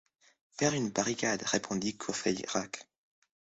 Faire une barricade, répondit Courfeyrac.